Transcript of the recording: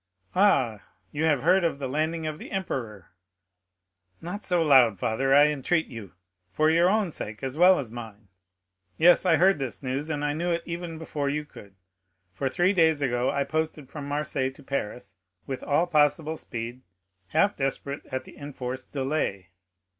"Ah, you have heard of the landing of the emperor?" "Not so loud, father, I entreat of you—for your own sake as well as mine. Yes, I heard this news, and knew it even before you could; for three days ago I posted from Marseilles to Paris with all possible speed, half desperate at the enforced delay."